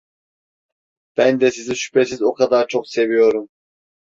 Ben de sizi şüphesiz o kadar çok seviyorum…